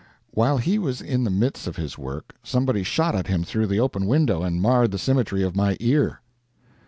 While he was in the midst of his work, somebody shot at him through the open window, and marred the symmetry of my ear.